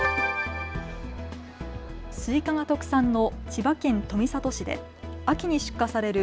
スイカが特産の千葉県富里市で秋に出荷される